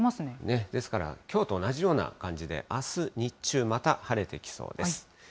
ですから、きょうと同じような感じで、あす日中、また晴れてきそうです。